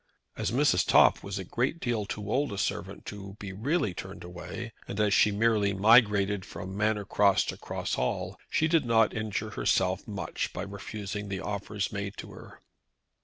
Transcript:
As Mrs. Toff was a great deal too old a servant to be really turned away, and as she merely migrated from Manor Cross to Cross Hall, she did not injure herself much by refusing the offers made to her.